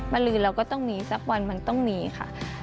มาลืนเราก็ต้องมีสักวันมันต้องมีค่ะ